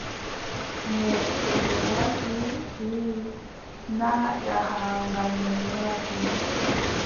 Nde bojel warti, wii, naa jahaangal men lorake?